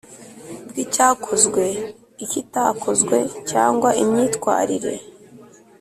bw’icyakozwe, ikitakozwe cyangwa imyitwarire,